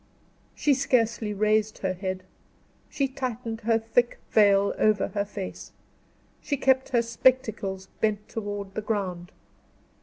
She scarcely raised her head; she tightened her thick veil over her face; she kept her spectacles bent toward the ground.